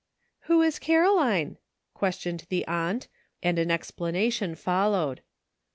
''Who is Caroline?" questioned the aunt, and an explanation followed.